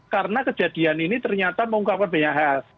karena kejadian ini ternyata mengungkapkan banyak hal